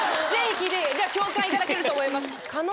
じゃ共感いただけると思います。